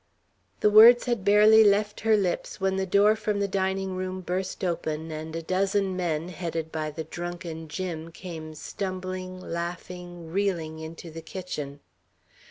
The words had hardly left her lips, when the door from the dining room burst open, and a dozen men, headed by the drunken Jim, came stumbling, laughing, reeling into the kitchen.